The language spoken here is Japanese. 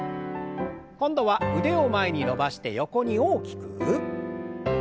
今度は腕を前に伸ばして横に大きく。